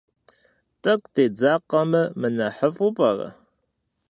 ТӀэкӀу дедзакъэмэ мынэхъыфӀу пӀэрэ?